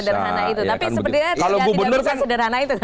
tapi sepertinya tidak bisa sederhana itu